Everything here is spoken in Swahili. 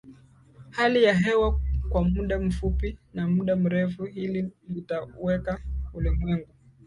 hali ya hewa kwa muda mfupi na muda mrefu Hili litaweka ulimwengu